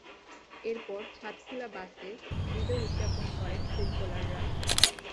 এরপর ছাদখোলা বাসে বিজয় উদযাপন করেন ফুটবলাররা।